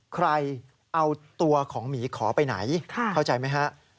ใครเอาตัวของหมีขอไปไหนเข้าใจไหมฮะ